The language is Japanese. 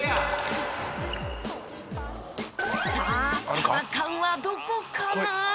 さあサバ缶はどこかな？